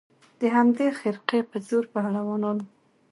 د همدې خرقې په زور پهلوانان وه